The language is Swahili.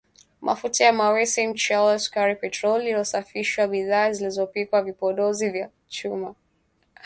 Mafuta ya mawese, mchele, sukari, petroli iliyosafishwa, bidhaa zilizopikwa, vipodozi na vifaa vya chuma.